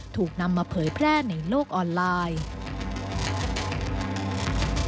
ถูกนำมาเผยแพร่ในโลกออนไลน์